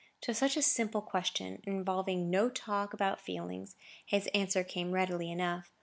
To such a simple question, involving no talk about feelings, his answer came readily enough.